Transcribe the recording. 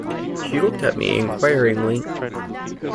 She looked at me inquiringly.